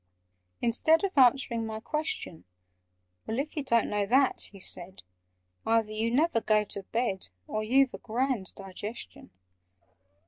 Instead Of answering my question, "Well, if you don't know that," he said, "Either you never go to bed, Or you've a grand digestion!